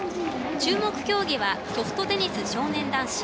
注目競技はソフトテニス少年男子。